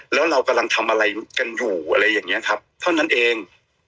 แล้วเรากำลังทำอะไรกันอยู่อะไรอย่างนี้ครับเท่านั้นเอง